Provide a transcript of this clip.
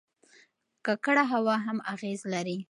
ککړه هوا هم اغېز لري.